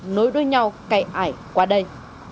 nối đôi nhau cậy ải qua đây